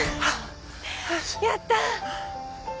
やったー！